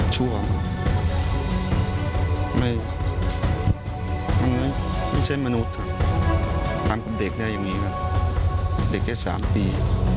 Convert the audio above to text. ไม่ใช่มนุษย์ทำกับเด็กได้อย่างนี้ครับเด็กแค่๓ปี